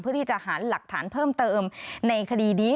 เพื่อที่จะหาหลักฐานเพิ่มเติมในคดีนี้